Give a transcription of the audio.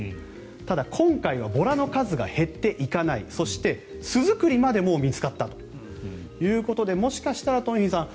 ただ、今回はボラの数が減っていかないそして、巣作りまでもう見つかったということでもしかしたら東輝さん